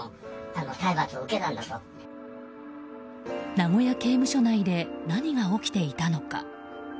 名古屋刑務所内で何が起きていたのか。